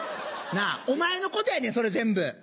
なぁお前のことやねんそれ全部。